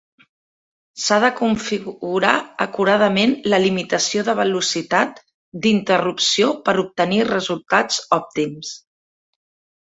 S'ha de configurar acuradament la limitació de velocitat d'interrupció per obtenir resultats òptims.